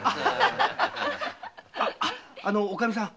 あのおかみさん。